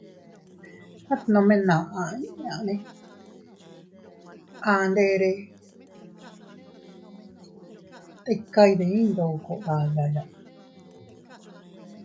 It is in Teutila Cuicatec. At nome naʼa inña anderes tika iydiy ndoko dayaya.